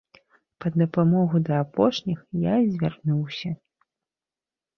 Па дапамогу да апошніх я і звярнуся.